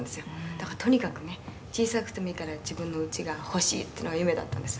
「だからとにかくね小さくてもいいから自分の家が欲しいっていうのが夢だったんです」